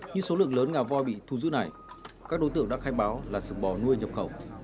như số lượng lớn ngả vòi bị thu giữ này các đối tượng đã khai báo là sự bỏ nuôi nhập khẩu